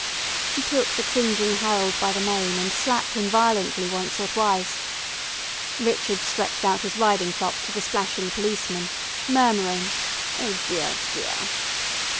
She took the cringing Harold by the mane and slapped him violently once or twice. Richard stretched out his riding crop to the splashing policeman, murmuring: "Oh deah, deah...."